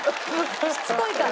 しつこいから？